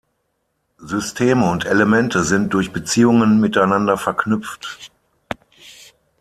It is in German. Systeme und Elemente sind durch Beziehungen miteinander verknüpft.